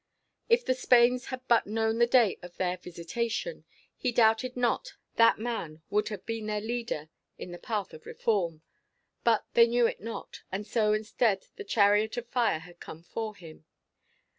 If the Spains had but known the day of their visitation, he doubted not that man would have been their leader in the path of reform. But they knew it not; and so, instead, the chariot of fire had come for him.